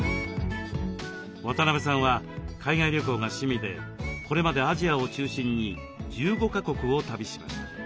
渡辺さんは海外旅行が趣味でこれまでアジアを中心に１５か国を旅しました。